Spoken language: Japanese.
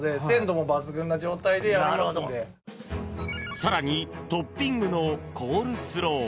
更にトッピングのコールスロー。